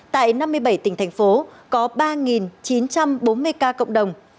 tại năm mươi bảy tỉnh thành phố có ba chín trăm bốn mươi ca cộng đồng